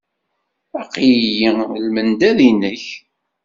Aql-iyi i lmendad-nnek.